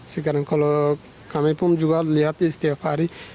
sekarang kalau kami pun juga lihat ya setiap hari